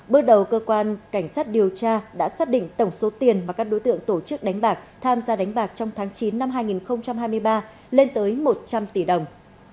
bước đầu cơ quan cảnh sát điều tra đã xác định tổng số tiền mà các đối tượng tổ chức đánh bạc tham gia đánh bạc trong tháng chín năm hai nghìn hai mươi ba lên tới một trăm linh tỷ đồng